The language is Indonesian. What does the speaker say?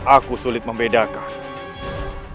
aku sulit membedakannya